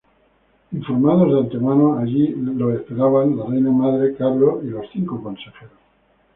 Informados de antemano, allí los esperaban la reina madre, Carlos y los cinco consejeros.